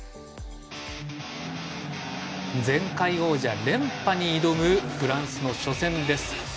前回王者、連覇に挑むフランスの初戦です。